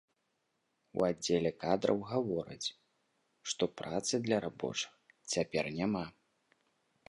У аддзеле кадраў гавораць, што працы для рабочых цяпер няма.